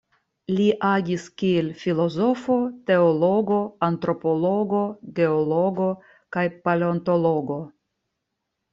Li agis kiel filozofo, teologo, antropologo, geologo kaj paleontologo.